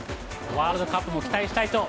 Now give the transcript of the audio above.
ワールドカップも期待したい